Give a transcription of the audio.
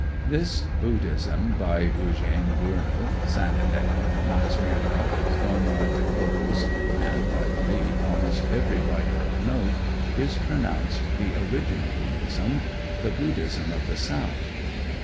This Buddhism, by Eugène Burnouf, Saint Hilaire, Max Müller, Csoma de Körös, and, I believe, almost every writer of note, is pronounced the original Buddhism, the Buddhism of the South."